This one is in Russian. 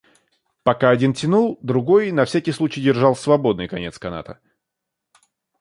Пока один тянул, другой на всякий случай держал свободный конец каната.